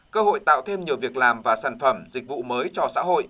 cơ hội tạo thêm nhiều việc làm và sản phẩm dịch vụ mới cho xã hội